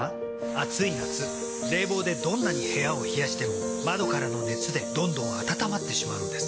暑い夏冷房でどんなに部屋を冷やしても窓からの熱でどんどん暖まってしまうんです。